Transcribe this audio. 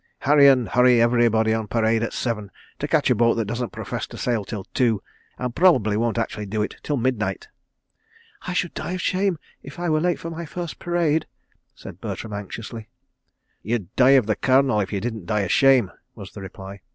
Harry and hurry everybody on parade at seven, to catch a boat that doesn't profess to sail till two, and probably won't actually do it till midnight." "I should die of shame if I were late for my first parade," said Bertram anxiously. "You'd die of the Colonel, if you didn't of shame," was the reply.